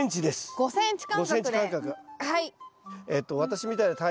５ｃｍ間隔。